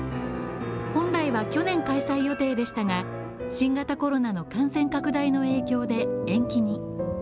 本来は去年開催予定でしたが新型コロナの感染拡大の影響で延期に。